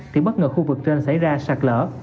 thì bất ngờ khu vực trên xảy ra sạt lở